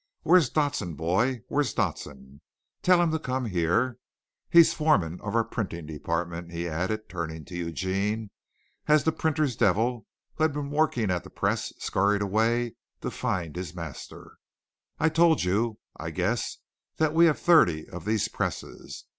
"Where's Dodson, boy? Where's Dodson? Tell him to come here. He's foreman of our printing department," he added, turning to Eugene, as the printer's devil, who had been working at a press, scurried away to find his master. "I told you, I guess, that we have thirty of these presses.